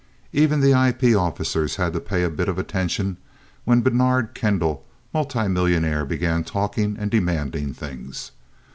Even the IP officers had to pay a bit of attention when Bernard Kendall, multi millionaire began talking and demanding things.